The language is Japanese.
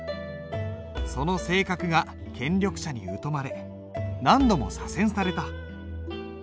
その性格が権力者に疎まれ何度も左遷された。